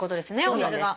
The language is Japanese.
お水が。